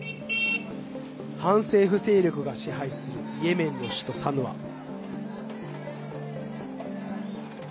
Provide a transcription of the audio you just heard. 反政府勢力が支配するイエメンの首都サヌア。